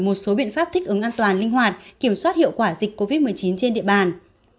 một số biện pháp thích ứng an toàn linh hoạt kiểm soát hiệu quả dịch covid một mươi chín trên địa bàn